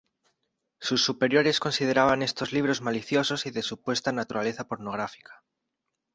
Sus superiores consideraban estos libros "maliciosos" y de supuesta naturaleza pornográfica.